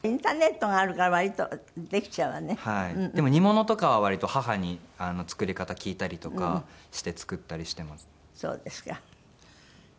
でも煮物とかは割と母に作り方聞いたりとかして作ったりしてますね。